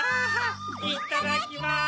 いただきます！